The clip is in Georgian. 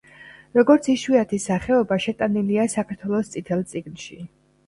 როგორც იშვიათი სახეობა, შეტანილია საქართველოს „წითელ წიგნში“.